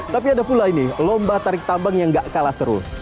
tapi ada pula ini lomba tarik tambang yang gak kalah seru